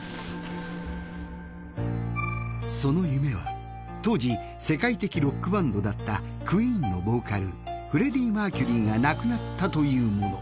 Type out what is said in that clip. その夢は当時世界的ロックバンドだったＱＵＥＥＮのボーカルフレディ・マーキュリーが亡くなったというもの。